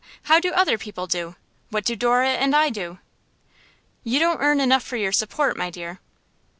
How do other people do? What do Dora and I do?' 'You don't earn enough for your support, my dear.